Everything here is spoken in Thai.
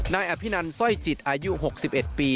นายอภินันสร้อยจิตอายุ๖๑ปี